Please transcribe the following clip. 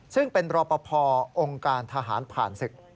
ซึ่งเป็นรอปภองค์การทหารผ่านศึก